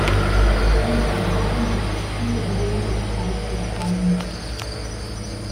In der Umgebung gibt es viele Höhlen im Kalkgestein.